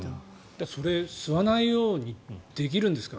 それ、吸わないようにできるんですか？